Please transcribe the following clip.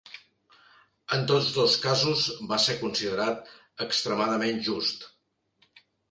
En tots dos casos va ser considerat extremadament just.